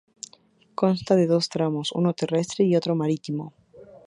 Consta de dos tramos, uno terrestre y otro marítimo.